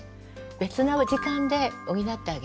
別の時間で補ってあげる。